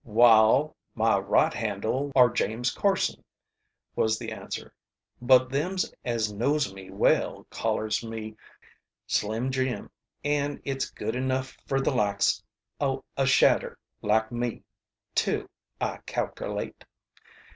"Wall, my right handle are James Carson," was the answer. "But them as knows me well callers calls me Slim Jim, and it's good enough fer the likes o' a shadder like me, too, I calkerlate.